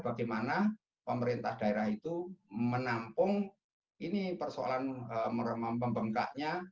bagaimana pemerintah daerah itu menampung ini persoalan pembengkaknya